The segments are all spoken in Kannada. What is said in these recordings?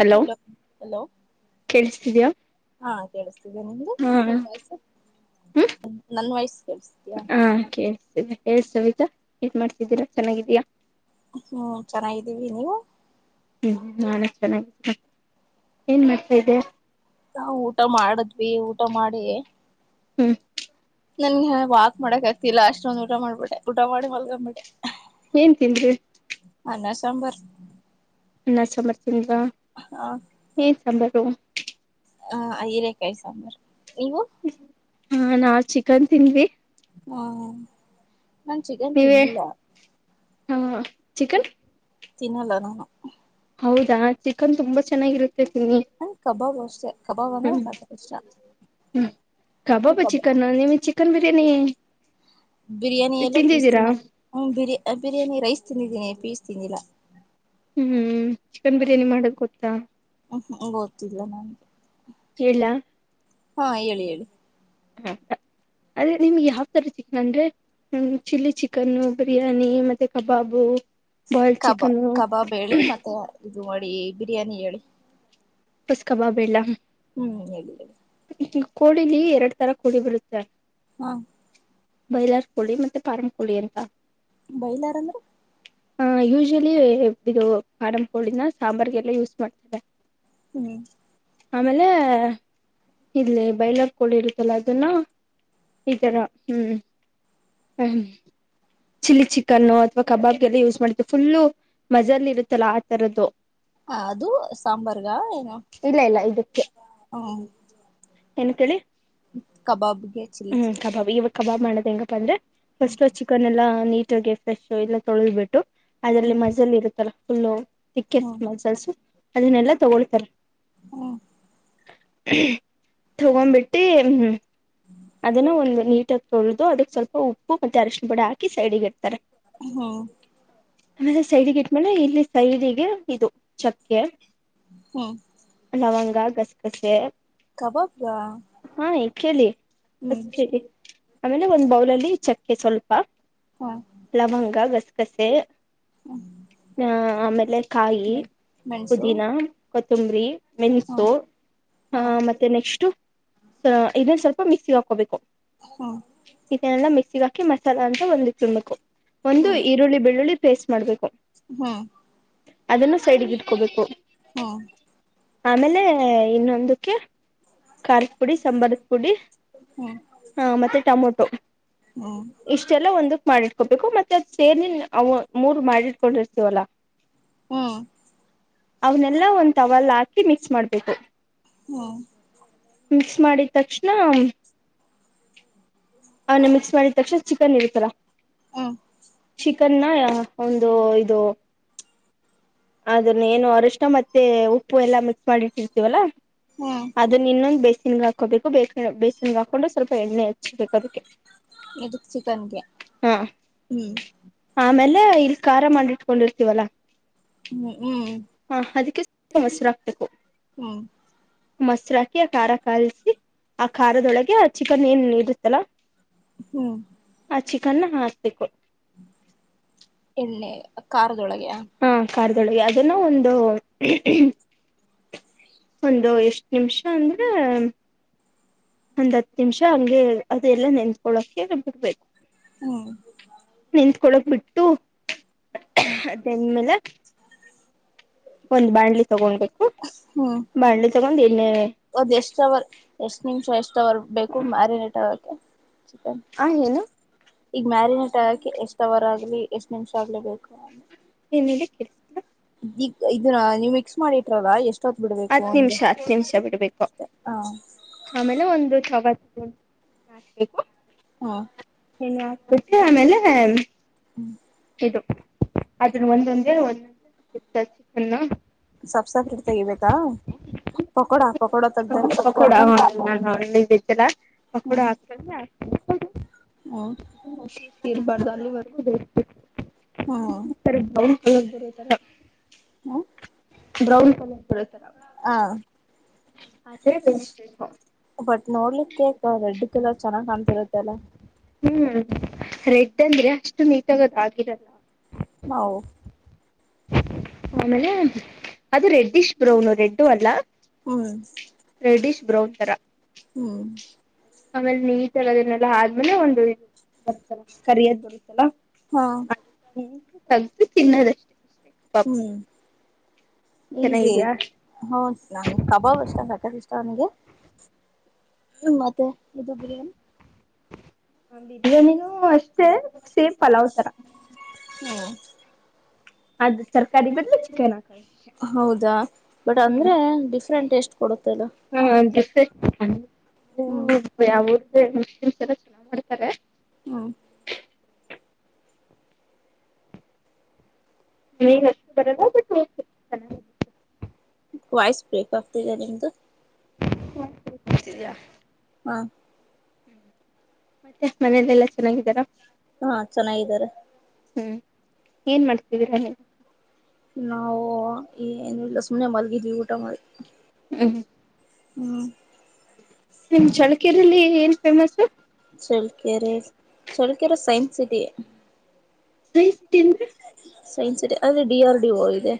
ಹಲೋ ಹಲೋ ಕೇಳಿಸ್ತಿದ್ಯಾ ಹಾ ಕೇಳಿಸ್ತಿದ್ದ್ಯಾ ನಿಮ್ದ ಹಾ ನಿ ವಾಯ್ಸ್ ಹ್ಮ ನನ್ ವಾಯ್ಸ್ ಕೇಳಿಸುತಿದಿಯಾ ಎಡ್ ಸವತ ಏನ್ ಮಾಡ್ತಿದ್ದೀರಾ ಚೆನ್ನಾಗಿದೀಯಾ ಹ್ಮ್ ಚೆನ್ನಾಗಿದ್ದೀವಿ ನೀವು ಹ್ಮ್ ನಾನೇ ಚೆನ್ನಾಗಿದ್ದೇನೆ ಏನ್ ಮಾಡ್ತಾ ಇದ್ದೆ ನಾ ಊಟ ಮಾಡಿದ್ವಿ ಊಟ ಮಾಡಿ ಹ್ಮ ನನ್ಗೆ ವಾಕ್ ಮಾಡಕ್ ಆಗ್ತಿಲ್ಲ ಅಷ್ಟೊಂದ್ಊಟ ಮಾಡ್ಬಿಟ್ಟೆ ಊಟ ಮಾಡಿ ಮಲ್ಕೊ್ಬಿಟೆ ಏನ್ ತಿಂದ್ರಿ ಅನ್ನ ಸಾಂಬರ್ ನಾಷ್ಟ ಮಾಡುದ್ರಾ ಹ ಶಂಬಕೋ ಹಾ ಹೀರೆಕಾಯಿ ಸಾಂಬರ್ ನೀವು ಹಾ ನಾ ಚಿಕನ್ ತಿಂದ್ವಿ ಹ್ಮ ನಾನ್ ಚಿಕನ್ ತಿಂದಿಲ್ಲ ಹಾ ಚಿಕನ್ ತಿನ್ನಲ್ಲ ನಾನು ಹೌದಾ ಚಿಕನ್ ತುಂಬಾ ಚೆನ್ನಾಗಿರುತ್ತೆ ತಿನ್ನಿ ಕಬಾಬ್ ಅಷ್ಟೇ ಕಬಾಬ್ ಅಂದ್ರೆ ಹ್ಮ್ ಸಾಕ ಕಷ್ಟ ಹ್ಮ್ ನೀ ಕಬಾಬ್ ಚಿಕನ್ ನಿಮಗೆ ಚಿಕನ್ ಬಿರಿಯಾನಿ ಬಿರಿಯಾನಿ ಎಲ್ಲೋ ಪೀಸ್ ತಿಂದಿದ್ದೀರಾ ತಿನ್ನಕ್ ಹ ಬಿ ಬಿರಿಯಾನಿ ರೈಸ್ ತಿಂದೆ ಇದೇ ಪೀಸ್ ತಿನ್ನಲ ಹ್ಮ್ ಚಿಕನ್ ಬಿರಿಯಾನಿ ಮಾಡಕ್ ಗೊತ್ತಾ ಹ್ಮ್ ಗೊತ್ತಿಲ್ಲ ನನ್ಗೆ ಕೇಳ ಹಾ ಹೇಳಿ ಹೇಳಿ ಹ ಅವರು ಯಾವ್ ತರ ಚಿಕನ್ ಅಂದ್ರೆ ಚಿಲ್ಲಿ ಚಿಕನ್ನು ಬಿರಿಯಾನಿ ಮತ್ತೆ ಕಬಾಬು ಬಾಯಲ್ ಕಬಾ ಚಿಕನ್ ಕಬಾಬ್ ಹೇಳಿ ಮತ್ತೆ ಇದು ಮಾಡಿ ಬಿರಿಯಾನಿ ಹೇಳಿ ುಸ್ಕಬಾಬಿ ಇಲ್ಲ ಹ್ಮ್ ಹೇಳ ಹೇಳಿ ಕೋಳಿಲಿ ಎರಡ್ ತರ ಕೋಳಿ ಬರತ್ತೆ ಹಾ ಬೈಲಾರ್ ಕೋಳಿ ಮತ್ತೆ ಪಾರಂ ಕೋಳಿ ಅಂತ ಬೈಲಾರ ಅಂದ್ರೆ ಆಹ ಯೂಶಲಿ ಇದು ಕಾರಂ ಪೋಳಿನ ಸಾಂಬಾರಿಗೆಲ್ಲ ಯೂಸ್ ಮಾಡ್ತವೆ ಹ್ಮ್ ಆಮೇಲೆ ಇಲ್ಲಿ ಬಾಯ್ಲರ್ ಕೋಳಿ ಇಳಿರುತ್ತಲ್ಲ ಅದನ್ನ ಈ ತರ ಹ್ಮ್ ಹ ಚಿಲ್ಲಿ ಚಿಕನ್ನು ಅಥವಾ ಕಬಾಬ್ಗೆಲ್ಲ ಯೂಸ್ ಮಾಡತವಿ ಫುಲ್ಲು ಮಜಲಿ ಇರುತ್ತಲ್ಲಾ ಆ ತರದ್ದು ಹ ಅದು ಸಾಂಬಾರ್ಗ ಏನು ಇಲ್ಲ ಇಲ್ಲ ಇದಕ್ಕೆ ಹ ಏನ್ ಕೇಳಿ ಹ್ಮ್ ಕಬಬ್ಗೆ ಚಿಲಿ ಚಿ. ಹ್ಮ್ ಕಬಾಬ್ ಇವಾಗ ಕಬಾಬ್ ಮಾಡೋದ್ ಹೆಂಗಪ್ಪ ಅಂದ್ರೆ. ಫಸ್ಟ್ ಫಸ್ಟ್ ಚಿಕನ್ ಎಲ್ಲಾ. ನೀಟ್ ಆಗಿ ಫ್ರೆಶು ಎಲ್ಲ ತೊಳೆದ್ಬಿಟ್ಟು. ಅದ್ರಲ್ಲಿ ಹ್ಮ್ ಮಝಲ್ ಇರುತ್ತಲ್ಲ. ಫುಲ್ಲೋ. ತಿಕೆಸ್ಟ್ ಹ್ಮ್ ಮಝಲ್ಸು. ಅದನ್ನೆಲ್ಲಾ ತಗೊಳ್ತಾರೆ. ಹ್ಮ್ [unintelligible] ತಗೊಂಬಿಟ್ಟಿ ಹ್ಮ್. ಅದನ್ನ ಒಂದ್ ನೀ ಟಾಗ್ ತೊಳ್ದು ಅದುಕ್ ಸ್ವಲ್ಪ ಉಪ್ಪು ಮತ್ತೆ ಅರ್ಷ್ಣ ಬುಡಿ ಹಾಕಿ ಸೈಡ್ಗೆ ಇಡ್ತಾರೆ. ಹ್ಮ ಆಮೇಲೆ ಸೈಡಿಗೆ ಇಟ್ಮೆಲೆ ಇಲ್ಲಿ ಸೈಡಿಗೆ ಇದು ಚಕ್ಕೆ. ಹ್ಮ ಲವಂಗ ಗಸ್ಗಸೆ. ಹಾ ಇ ಕೇಳಿ ಹ್ಮ್ ಫಸ್ಟ್ ಇಡಿ. ಸರಿ ಆಮೇಲೆ ಒಂದ್ ಬೌಲ ಅಲ್ಲಿ ಚಕ್ಕೆ ಸ್ವಲ್ಪ. ಹಾ ಲವಂಗ ಬಸ ಕಸ ಹ ಆಮೇಲೆ ಕಾಯಿ ಮೆಣಸು ಪುದನಾ ತುಂಗ್ರ ಹಾ ಮೆಣಸು ಹ ಹಾ ಮತ್ತೆ ಇಷ್ಟು ಇದನ್ ಸ್ವಲ್ಪ ಮಿಕ್ಸಿ ಹಾಕೋಬೇಕು ಹ್ಮ್ ಇದನ್ನಲ್ಲ ಮಿಕ್ಸಿಗ ಹಾಕಿ ಮ ಸ್ಲ ಅಂತ ಬಂದಿ ತಿನ್ಬೇಕು ಒಂದು ಈರುಳ್ಳಿ ಬೆಳ್ಳುಳ್ಳಿ ಪೇಸ್ಟ್ ಮಾಡ್ಬೇಕು ಹ್ಮ್ ಅದನ್ನು ಸೈಡ್ಿಗೆ ಇಟ್ಕೋಬೇಕು ಹ್ಮ ಆಮೇಲೆ ಇನ್ನೊಂದಕ್ಕೆ ಖಾರದ ಪುಡಿ ಸಾಂಬಾರದ ಪುಡಿ ಹ್ಮ್ ಹ್ಮ್ ಹ್ಮ್ ಹ ಮತ್ತೆ ಟಮೊಟೊ ಇಷ್ಟೆಲ್ಲ ಒಂದು ಮಾಡಿಟ್ಕೋಬೇಕು ಮತ್ತೆ ಅದ್ ಸೇರಿ ಮೂರ್ ಮಾಡಿಟ್ಕೊಂಡಿರ್ತೀವಲ್ಲಾ ಹ್ಮ ಅವ್ನೆಲ್ಲಾ ಒಂದ್ ತವಾಲ್ ಹಾಕಿ ಮಿಕ್ಸ್ ಮಾಡ್ಬೇಕು. ಹ್ಮ್ ಮಿಕ್ಸ್ ಮಾಡಿದ್ ತಕ್ಷಣ ಅವ್ನ ಮಿಕ್ಸ್ ಮಾಡಿದ್ ತಕ್ಷಣ ಚಿಕನ್ ಇರುತ್ತಲ್ಲ. ಹ್ಮ್ ಚಿಕನ್ನ ಒಂದು ಇದು ಅದನ್ನ ಏನೊ ಅರಶ್ಣ ಮತ್ತೆ ಉಪ್ಪು ಎಲ್ಲ ಮಿಕ್ಸ್ ಮಾಡಿಟ್ಟಿರ್ತೀವಲ್ಲಾ. ಹ್ಮ್ ಅದುನ್ ಇನ್ನೊಂದ್ ಬೆಯ್ಸ್ ಇನ್ಗ್ ಹಾಕೋಬೇಕು ಬೇ ಬೇಸನ್ಗ ಹಾಕೊಂಡು ಸ್ವಲ್ಪ ಎಣ್ಣೆ ಹಚ್ಬೇಕು ಅದುಕ್ಕೆ. ಯದುಕ್ ಚಿಕನ್ಗೆ ಹ್ಮ್. ಏ ಇಲ್ ಖಾರ ಮಾಡಿಟ್ಕೊಂಡಿರ್ತೀವಲ್ಲಾ. ಹ್ಮ್ ಹ್ಮ. ತೊ ಹಸ್ರ್ ಹಾಕ್ಬೇಕು. ಹ್ಮ್ ಮೊಸ್ರ್ ಹಾಕಿ ಆ ಖಾರ ಕಲ್ಸಿ ಆ ಖಾರದೊಳಗೆ ಆ ಚಿಕನ್ ಏನ್ ಇರುತ್ತಲ್ಲ. ಹ್ಮ್ ಚಿಕನ್ನ ಹಾಕ್ಬೇಕು. ಖಾರ್ರ್ದೊಳಗೆ ಹ. ಖಾರ್ರ್ದೊಳಗೆ ಅದನ್ನ ಒಂದು ಹ್ಮ್ ಹ್ಮ್. ಒಂದು ಎಷ್ಟ್ ನಿಮ್ಷ ಅಂದ್ರೆ ಒಂದ್ ಹತ್ ನಿಮ್ಷ ಹಂಗೆ ಅದೆಲ್ಲ ನೆನ್ತ್ಕೊಳಕೆ ಬಿಡ್ಬೇಕ್. ಹ್ಮ್ ನಿನ್ತ್ಕಳೊಕ್ ಬಿಟ್ ಹ್ಮ್ ಅದನ್ ಮೇಲೆ ಒಂದು ಬಾಣಲೀ ತಗೊಂಡಬೇಕು ಹ್ಮ್ ಬಾಣಲಿ ತಗೊಂಡ್ ಎಣ್ಣೆ ಸವರ್ ಬೇಕು [unintelligible] ಚಿಕನ್ ಹಾ ಏನು. ಈಗ ಮ್ಯಾರಿನೇಟ್ ಆಗಕ್ಕೆ ಎಷ್ಟ ಅವರ ಆಗ್ಲಿ ಎಷ್ಟ್ ನಿಮಿಷ ಆಗ್ಲಿ ಬೇಕು [unintelligible] ಈ ಇದ ನೀವು ಮಿಕ್ಸ್ ಮಾಡಿಟ್ರಲ್ಲ ಎಷ್ಟ ಹತ್ ನಿಮಿಷ ಹತ್ತು ನಿಮಿಷ ಬಿಡ್ಬೇಕು ಅಷ್ಟೆ ಹ ಆಮೇಲೆ ಒಂದು ಕಬಾಬ್ [unintelligible] ಹಾ ಆಮೇಲೆ [unintelligible] ಅದು ಒಂದೊಂದೇ ಒಂದು ಚಿಕನ್ ಸಫ ಸಫ್ರೀಟ್ ತೆಗಿಬೇಕಾ ಪಕೋಡ ಪಕೋಡ ತಗ್ದಂ ಪಕೋಡ ಕರ್ದಂ ನಾನು ಹಳ್ಳಿ ಹ್ಮ ಪಡಿ ಹ್ಮ ತಿರ್ಬಾರ್ದ ಅಲಿ ಎಲ್ಲಿದೆ ಹಓ [unintelligible] ಹಾ ಹ ಬರಿ ತರ [unintelligible] ಬ್ರೌನ್ ಕಲರ್ ಬರೋ ತರ ಹ ಆತರ ಬೇಯಿಸ್ಬೇಕು ಬಟ್ ನೋಡ್ಲಿಕ್ಕೆ ರೆಡ್ ಕಲರ್ ಚೆನ್ನಾಗಿ ಕಾಣ್ತಿರುತ್ತೆಲ್ಲ ಹ್ಮ್ರ ರೆಡ್ ಅಂದ್ರೆ ಅಷ್ಟು ನೀ ತಗದಾಗಿರಲ್ಲ ನಾವು ಆಮೇಲೆ ಅದು ರೆಡ್ಡಿಶ್ ಬ್ರೌನು ರೆಡ್ಡು ಅಲ್ಲ ಹ್ಮ್ ರೆಡಿಶ್ ಬ್ರೌನ್ ತರಾ ಹ್ಮ್ ಆಮೇಲೆ ನೀಟ ಎಲ್ಲ ಅದನ್ನೆಲ್ಲ ಆದ್ಮೇಲೆ ಒಂದು ಇದು ಬರುತ್ತಲ್ಲ ಕರಿಯದ್ ಬರುತ್ತಲ್ಲಾ ಹಾ ಹ್ಮ ತಗುದು ತಿನ್ನದಷ್ಟೇ ಹ್ಮ್ ಈ ಚೆನ್ನಾಗಿದ್ಯಾ ಹೌ ನಾನ್ ಕಬಾಬ್ ಇಷ್ಟ ಸಾಕಷ್ಟ ನ್ಗೆ ಮತ್ತೆ ಇದು ಬಿರಿಯಾನಿ ಬಿರಿಯಾನಿನೂ ಅಷ್ಟೇ ಸೇಮ್ ಪಲಾವ್ ತರ ಹ್ಮ ಅದ ತರಕಾರಿನಲ್ಲಿ ಚಿಕನ್ ಹಾಕದು ಅಷ್ಟೇ. ಹೌದಾ ಬಟ್ ಹ್ಮ್ ಅಂದ್ರೆ ಡಿಫ್ರೆಂಟ್ ಟೆಷ್ಟು ಕೊಡುತಲ್ಲ ಸಷ್ಟ [unintelligible] ಹ್ಮ ಅವ ಸ ಚ ಮಾಡ್ತಾರೆ [unintelligible] ಹ್ಮ್ ನೀ ಅಷ್ಟು ಬರಲ್ಲ ಬಟ್ ಚ ವಾಯ್ಸ್ ಬ್ರೇಕ್ ಆಗ್ತಾ ಇದೆ ನಿಮ್ದು ವಾಯ್ಸ್ ಬ್ರೇಕ್ ಬರ್ತಿದೀಯಾ ಹ್ಮ್ ಹ್ಮ ಮತ್ತೆ ಮನೇಲಿ ಎಲ್ಲಾ ಚೆನ್ನಾಗಿ ಇದಾರ ಹಾ ಚೆನ್ನಾಗಿದ್ದಾರೆ ಹ್ಮ್ ಏನ್ ಮಾಡ್ತಿದ್ದೀರಾ ನೀವು? ನಾವು ಏನು ಇಲ್ಲ ಸುಮ್ನೆ ಮಲಗಿದ್ವಿ ಊಟ ಮಾಡಿ ಹ್ಮ್ ಹ್ಮ್ ನಿಮ್ ಚಳ್ಕೆರೆಲ್ಲಿ ಏನ್ famous? Challakere Challakere science city [unintelligible] ತಿಂದ್ರೆ? ಸೈನ್ ಸರಿ ಅದೇ ಡಿಆರ್ಡಿಓ ಇದೆ.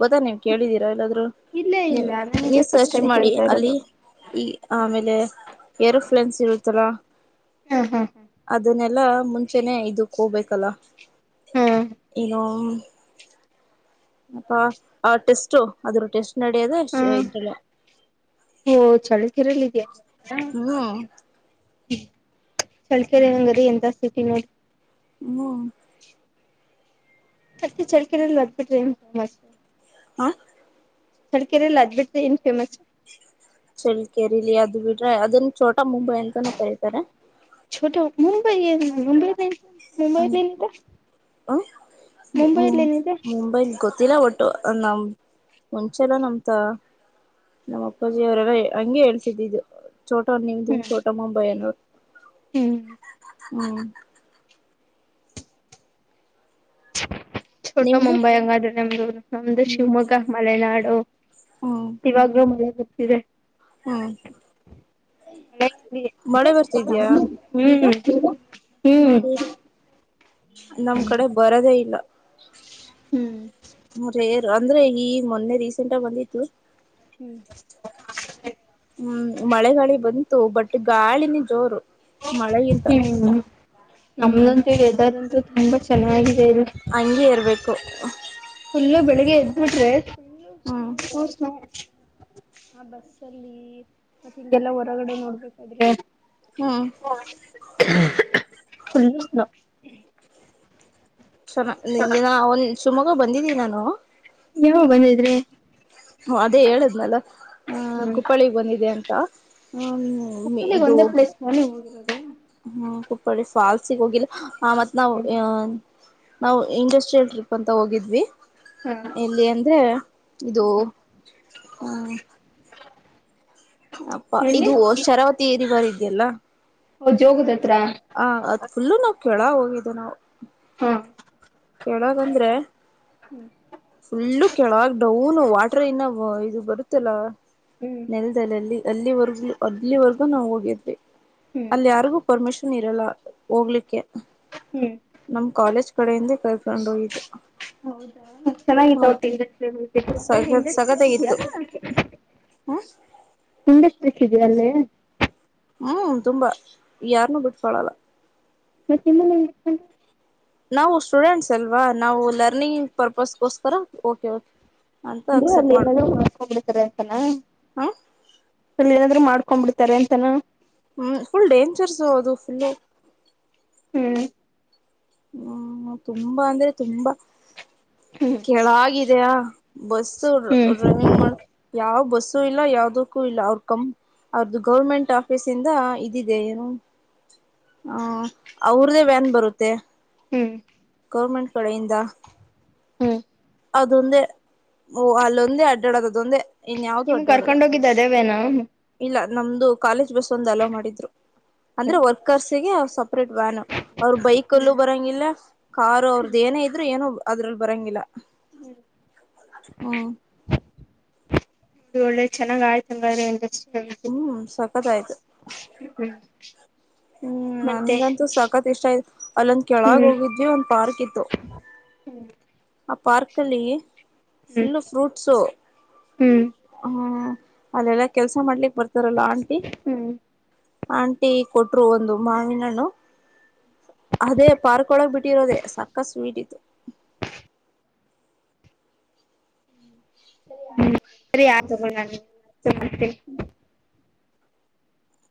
ಗೊತ್ತಾ ನೀವ್ ಕೇಳಿದೀರಾ ಎಲ್ಲಾದ್ರೂ ಇಲ್ಲೇ ನೀವ್ ಇಲ್ಲ ನನಗೆ ನೀವ್ ಫಸ್ಟ್ ಸರ್ಚ್ ಟೈಮ್ ಮಾಡಿ ಕೇಳ್ತಾ ಅಲ್ಲಿ ಇರೋದು ಈ ಆಮೇಲೆ ಏರೋಫ್ಲನ್ಸ್ ಇರುತ್ತಲ ಹಾ ಹಾ ಅದುನ್ನೆ ಎಲ್ಲ ಮುಂಚೆನೆ ಇದಕ್ ಹೋಗ್ಬೇಕಲ್ಲ? ಹಾ ಏನೋ ಅಪ ಆ ಟೆಸ್ಟ್ ಅದ್ರು ಟೆಸ್ಟ್ ನಡೆಯೋದ ಹ್ಮ್ ಇದ್ರಲ್ಲ ಅಯೋ ಚಳ್ಕೆರೆಲಿದ್ಯಾ ಆಗಾದ್ರೆ? ಹ್ಮ್ ಚಳ್ಕೆರೆ ಅಂದ್ರೆ ಎಂತ ಸಿಟಿ ನೋಡು ಹ್ಮ್ ಅದ್ ಚಳ್ಕೆರೆಲ್ ಅದ್ ಬಿಟ್ರೆ ಏನ್ ಫೇಮಸ್ಸು ಹಾಂ ಚಳ್ಕೆರೆಲ್ ಅದ್ ಬಿಟ್ರೆ ಏನು ಚಳ್ಕೆರೆಲಿ ಅದು ಬಿಟ್ರೆ ಅದುನ್ ಚೋಟ್ [unintelligible] ಮುಂಬೈ ಅಂತನೂ ಕರೀತಾರೆ [unintelligible] ಮುಂಬೈಲೇನಿದೆ ಮುಂಬೈಲೇನಿದೆ? ತಿಲ್ಲಾ ಒಟ್ಟು ನಮ್ ಮುಂಚೆಲ್ಲ ನಮ್ತ ನಮ್ ಅಪ್ಪಾಜಿ ಅವರೆಲ್ಲ ಹಂಗೆ ಹೇಳ್ತಿದ್ದಿದು ಛೋಟಾ ನಿಮ್ದು ಹ್ಮ್ ಛೋಟಾ ಮುಂಬೈ ಅನ್ನೋರು. ಹ್ಮ್ ಹ್ಮ್ [unintelligible] ಛೋಟಾ ನಿಮ್ದು ಮುಂಬೈ ಹಂಗಾದ್ರೆ ನಮ್ದು ನಮ್ದು ಹ್ಮ್ ಶಿವಮೊಗ್ಗ ಮಲೆನಾಡು ಹ್ಮ್ ಇವಾಗ್ಲೂ ಮಳೆ ಇದೆ. ಹ್ಮ್ ಮಳೆ ಬರ್ತಿದ್ಯಾ ಹ್ಮ್ ಈಗ ಹ್ಮ್ ನೋಡಿ ನಮ್ ಕಡೆ ಬರದೇ ಇಲ್ಲ, ರೇರು ಅಂದ್ರೆ ಈ ಮೊನ್ನೆ ರೀಸೆಂಟಾಗ್ ಬಂದಿತ್ತು. ಹ್ಮ್ ಹ್ಮ್ ಮಳೆಗಾಳಿ ಬಂತು ಬಟ್ ಗಾಳಿನೆ ಜೋರು. ಮಳೆಗಿಂತ ಹ್ಮ್ ಹ್ಮ್ ನಮ್ದಂತು ವೇದರಂತು ತುಂಬ ಚೆನ್ನಾಗಿ ಹಂಗಗೆ ಇರಬೇಕು ಫುಲ್ಲು ಬೆಳಿಗ್ಗೆ ಎದ್ದಬಿಟ್ರಿ ಹ್ಮ್ ಹ ಸ್ ಹ ಬಸ್ಸಲ್ಲಿ ಮತ್ತೆ ಈಗೆಲ್ಲ ಹೊರಗಡೆ ನೋಡ್ಬೇಕ್ರೆ ಹ್ಮ್ ಹ ಲ್ಲ ಚ ನೀನ ಅವನ್ ಸುಮೊಗ್ಗ ಬಂದಿದ್ದಿ ನಾನು ನೀವುೋಗ ಬಂದಿದ್ರೆ ಹ ಅದೇ ಹೇಳಿದ್ನಲ್ಲ ಆ ಹ್ಮ್ ಕುಪ್ಪಳಿ ಬಂದಿದೆ ಅಂತ ಹ್ಮ ಕೊಪ್ಪಳಿಗೆ ಇದು ಒಂದೇ ಪ್ಲೇಸ್ ತಾನೇ ಹೋಗಿರೋದು ಹ್ಮ್ ಕುಪ್ಪಳಿ ಫಾಲ್ಸಗ್ ಹೋಗಿಲ್ಲ ಆ ಮತ್ ನಾವ್ ನಾವ್ ಇಂಡಸ್ಟ್ರಿಯಲ್ ಟ್ರಿಪ್ ಅಂತ ಹೋಗಿದ್ವಿ ಹಾ ಎಲ್ಲಿ ಅಂದ್ರೆ ಇದು ಹ್ಮ ಅಪ್ಪಾ ಎಲ್ಲಿ ಇದು ಶರಾವತಿ ಏರಿ ಬರಿದ್ದ ಎಲ್ಲ ಜೋಗದ ಹತ್ರ ಹ ಅದ್ ಫುಲ್ಲು ನಾ ಕೆಳ ಹೋಗಿದ್ದು ನಾವು ಹಾ ಕೇಳಾಗಂದ್ರೆ ಹ್ಮ್ ಫುಲ್ಲು ಕೆಳಾಗಡವ ಹ್ನು ವಾಟರ್ ಇನ್ನ ಇದು ಬರುತ್ತಲ್ಲಾ ಹ್ಮ್ ನೆಲದಲ್ಲ ಅಲ್ಲಿ ಅಲ್ಲಿವರೆಗೂ ಅದ್ವರ್ಗೂ ನಾವು ಹೋಗಿರ್ಬೇಕವಿ ಹ್ಮ್ ಅಲ್ಲಿ ಯಾರಿಗೂ ಪರ್ಮಿಷನ್ ಇರಲ್ಲ ಹೋಗ್ಲಿಕ್ಕೆ. ಹ್ಮ್ ನಮ್ ಕಾಲೇಜ್ ಕಡೆಯಿಂದೆ ಕ. [unintelligible] ವಯಬೇಕು. ಹೌದು ಚೆನ್ನಾಗಿತ್ತು ವಟ ಇಂಡಸ್ಟ್ರಿಯಲ್ ವಿಸಿಟ್ ಸಖತ್ ಇದಿಯಾ ಸಖತ್ತಾಗಿತ್ತು ಹ್ಮ್ ಇಂಡಸ್ಟ್ರಿ. ಅಲ್ಲೇ ಹ್ಮ್ ತುಂಬಾ ಯಾರನ್ನೂ ಬಿಟ್ಕೊಳಲ್ಲ. ಮತ್ ನಿಮಾನ್ಸ್ ಬಿಟ್ಕೊಂಡ್ರು. ನಾವು ಸ್ಟೂಡೆಂಟ್ಸ್ ಅಲ್ವಾ ನಾವು ಲರ್ನಿಂಗ್ ಪರ್ಪಸ್ಗೋಸ್ಕರ ಹೋ ಅಂದ ಅರ್ಲ್ಲಿ [unintelligible] ಮಾಕಂಬಡ್ಕರಂತಣ ಹ ಅಲ್ಲ ಏನಾದ್ರರು ಮಾಡ್ಕೊಂಡ್ ಬಿಡ್ತಾರೆ ಅಂತಾನ. ಹ್ಮ್ ಫುಲ್ ಡೇಂಜರ್ಸ್ ಅದು ಫುಲ್ಲು. ಹ್ಮ್ ಹ್ಮ ತುಂಬಾ ಅಂದ್ರೆ ತುಂಬಾ ಹ್ಮ್ ಕೆಳಾಗಿದಯ ಬಸ್ ಹ್ಮ್ ಡ್ರೈವಿಂಗ್ ಮಾಡ್ ಯಾವ ಬಸ್ ಸೂ ಇಲ್ಲ ಯಾವದಕ್ಕೂ ಇಲ್ಲ ಅವ್ರ ಕಂ ಅವ್ರ್ದು ಗೌರ್ಮೆಂಟ್ ಆಫೀಸ್ ಇಂದ ಇದ ಇದೆ ಏನು. ಹ ಅವ್ರ್ದೇ ವ್ಯಾನ್ ಬರುತ್ತೆ. ಹ್ಮ್ ಗೌರ್ಮೆಂಟ್ ಕಡೆಯಿಂದ. ಹ್ಮ್ ಅದೊಂದೇ ಓ ಅಲ್ಲೊಂದೇ ಅಡ್ಡಾಡದ ಅದೊಂದೇ. ಇನ್ ಯಾವ್ದು ನಿಮ್ ಅಡ್ಡಾಡೋದ ಕರ್ಕೊಂಡ್ ಹೋಗಿದ್ದ ಅದೇ ವೇನ. ಇಲ್ಲ ನಮ್ದು ಕಾಲೇಜ್. ಬಸ್ ಅಲ್ಲೋ ಮಾಡಿದ್ದರು ಅಂದ್ರೆ ವರ್ಕರ್ಸ್ಿಗೆ. ಸಪೇಟ್ ವ್ಯಾನ್ ಅವ್ರ ಬೈಕ್ಲ್ಲೂ ಬರಂಗಿಲ್ಲ ಕಾರು ಅವ್ರದ ಏನೇ ಇದ್ರು ಏನು. ಅದ್ರಲ್ಲಿ ಬರಂಗಿಲ್ಲ. ಹ್ಮ್ ನೋಡಿ ಒಳ್ಳೆ ಚೆನ್ನಾಗ ಆಯ್ತು ಹಂಗ್ರ [unintelligible] ಹ್ಮ್ ಸಕತ್ ಆಯ್ತು ಹ್ಮ್ ಹ್ಮ್ ಮತ್ತೆ ನನ್ಗಂತೂ ಸಕತ್ ಇಷ್ಟ ಆಯ್ತು ಅಲ್ಲೊಂದ ಕೆಳಗ ಹ್ಮ್ ಹೋಗಿದ್ವಿ ಒಂದ್ ಪಾರ್ಕ್ ಇತ್ತು. ಹ್ಮ್ ಆ ಪಾರ್ಕಲ್ಲಿ ಫುಲ್ಲ ಫ್ರೂಟ್ಸು ಹ್ಮ್- ಹ್ಮ್ ಅಲ್ಲೆಲ್ಲಾ ಕೆಲ್ಸ ಮಾಡ್ಲಿಕ್ಕ ಬರ್ತಾರಲ್ಲ ಆಂಟಿ ಹ್ಮ್ ಹ್ಮ್ ಆಂಟಿ ಕೊಟ್ರು ಒಂದು ಮಾವಿನಣ್ಣು ಅದೇ ಪಾರ್ಕ್ ಒಳಗ್ ಬಿಟ್ಟಿರೋದೆೇ ಸಕ್ಕ ಸ್ವೀಟ್ ಇತ್ತು ಹ್ಮ್ ಸರಿ ಆಯ್ತು ತಗೋ ನಾ ಇನ್ನ [unintelligible] ನಮಸ್ತೆ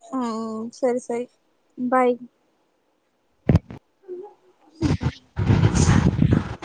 ಹ್ಮ ಸರಿ- ಸರಿ ಬೈ್. [inaudible]